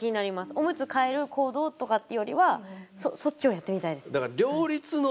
おむつ替える行動とかってよりはそっちをやってみたいです。